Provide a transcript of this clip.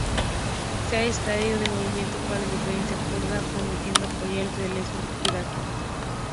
Se ha distanciado del movimiento para la independencia kurda, prometiendo apoyar el federalismo iraquí.